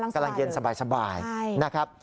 กำลังเย็นสบายนะครับ